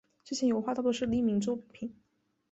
这些油画大多是匿名作品。